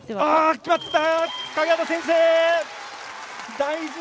決まった！